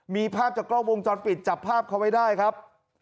มีภาพจากกล้องวงจรปิดจับภาพเขาไว้ได้ครับ